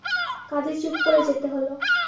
কাজেই চুপ করে যেতে হল।